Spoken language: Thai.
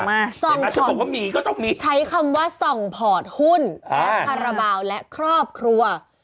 เขาบอกว่ามีก็ต้องมีใช้คำว่าส่องพอร์ตหุ้นและคาราบาลและครอบครัว